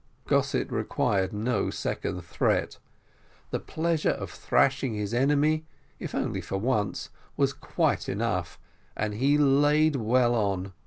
Gossett required no second threat the pleasure of thrashing his enemy, if only for once, was quite enough and he laid well on.